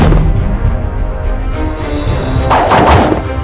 mereka cepet muda